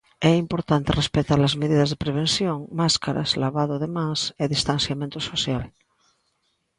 É importante respectar as medidas de prevención, máscaras, lavado de mans e distanciamento social.